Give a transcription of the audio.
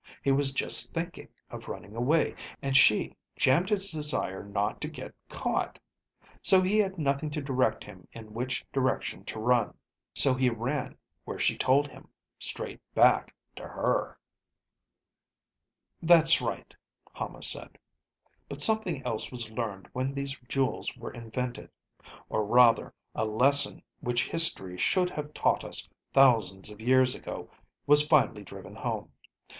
He was just thinking of running away, and she jammed his desire not to get caught; so he had nothing to direct him in which direction to run. So he ran where she told him, straight back to her." "That's right," Hama said. "But something else was learned when these jewels were invented. Or rather a lesson which history should have taught us thousands of years ago was finally driven home.